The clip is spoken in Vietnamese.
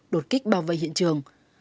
đột kích bảo vệ hiện trường